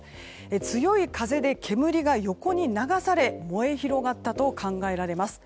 強い風で煙が横に流され燃え広がったと考えられます。